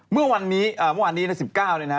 เมื่อวันนี้๑๙นี้นะฮะ